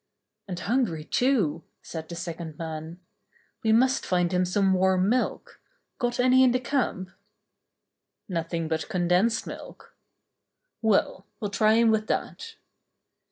"And hungry, too," said the second man. "We must find him some warm milk. Got any in the camp ?" "Nothing but condensed milk." "Well, we'll try him with that."